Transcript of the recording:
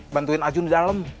bantuin ajun di dalam